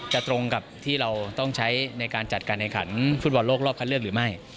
ตรงกับที่เราต้องใช้ในการจัดการแข่งขันฟุตบอลโลกรอบคันเลือกหรือไม่